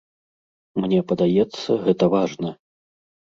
Мне падаецца, гэта важна.